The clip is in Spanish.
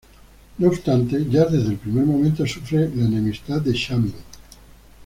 No obstante, ya desde el primer momento sufre la enemistad de Shamil.